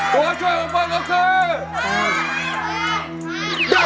ตัวช่วยของเบิ้ลก็คือ